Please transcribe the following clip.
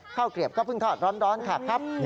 เกลียบก็เพิ่งทอดร้อนค่ะครับ